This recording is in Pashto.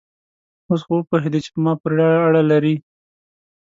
اوس خو وپوهېدې چې په ما پورې اړه لري؟